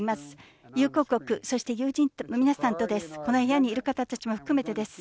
友好国、そして友人の皆さんとですこの部屋にいる方たちも含めてです。